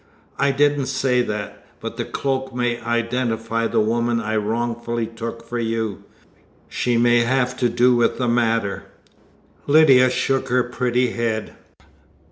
"I didn't say that; but the cloak may identify the woman I wrongfully took for you. She may have to do with the matter." Lydia shook her pretty head.